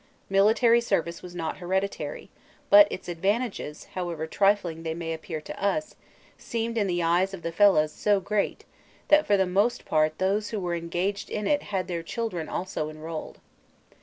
Military service was not hereditary, but its advantages, however trifling they may appear to us, seemed in the eyes of the fellahs so great, that for the most part those who were engaged in it had their children also enrolled.